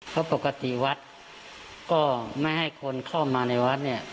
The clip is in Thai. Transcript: เพราะปกติวัดก็ไม่ให้คนเข้ามาในวัดเนี่ย